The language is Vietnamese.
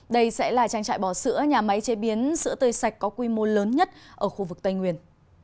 đây sẽ là trang trại bò sữa nhà máy chế biến sữa tươi sạch có quy mô lớn nhất ở khu vực tây nguyên